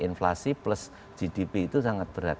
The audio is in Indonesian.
inflasi plus gdp itu sangat berat